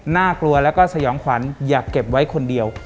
น่ากลัวแล้วก็สยองขวัญอย่าเก็บไว้คนเดียว